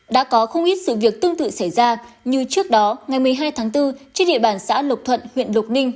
đã có không ít sự việc tương tự xảy ra như trước đó ngày một mươi hai tháng bốn trên địa bàn xã lộc thuận huyện lộc ninh